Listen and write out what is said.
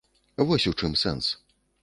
Вось у чым сэнс.